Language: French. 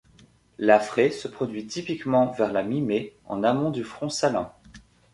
La fraie se produit typiquement vers la mi-mai en amont du front salin.